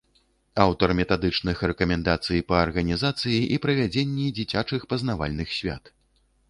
Аўтар метадычных рэкамендацый па арганізацыі і правядзенні дзіцячых пазнавальных свят.